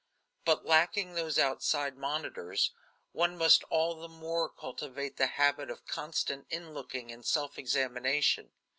But lacking those outside monitors, one must all the more cultivate the habit of constant inlooking and self examination.